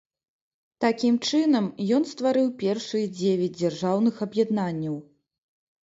Такім чынам, ён стварыў першыя дзевяць дзяржаўных аб'яднанняў.